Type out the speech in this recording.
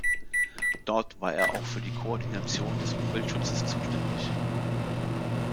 Dort war er auch für die Koordination des Umweltschutzes zuständig.